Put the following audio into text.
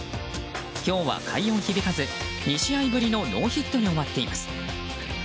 今日は快音響かず２試合ぶりのノーヒットに終わっています。